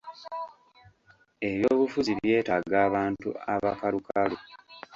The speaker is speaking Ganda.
Eby’obufuzi by’etaaga abantu abakalukalu.